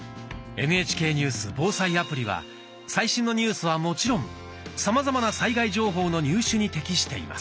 「ＮＨＫニュース・防災アプリ」は最新のニュースはもちろんさまざまな災害情報の入手に適しています。